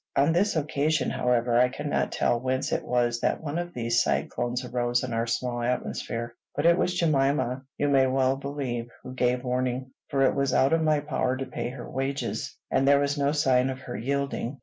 On this occasion, however, I cannot tell whence it was that one of these cyclones arose in our small atmosphere; but it was Jemima, you may well believe, who gave warning, for it was out of my power to pay her wages; and there was no sign of her yielding.